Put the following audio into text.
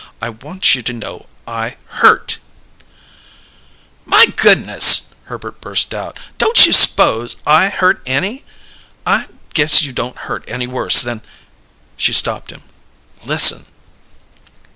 I want you to know I hurt!" "My goodness!" Herbert burst out. "Don't you s'pose I hurt any? I guess you don't hurt any worse than " She stopped him: "Listen!"